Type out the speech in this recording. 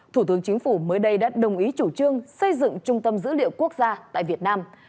thủ tướng chính phủ mới đây đã đồng ý chủ trương xây dựng trung tâm dữ liệu quốc gia tại việt nam